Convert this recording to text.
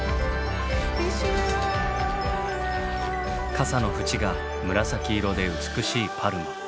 傘の縁が紫色で美しいパルモ。